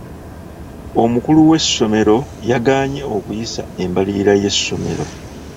Omukulu w'essomero yagaanye okuyisa embalirira y'essomero.